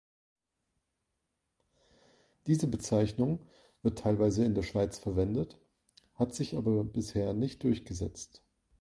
Diese Bezeichnung wird teilweise in der Schweiz verwendet, hat sich aber bisher nicht durchgesetzt.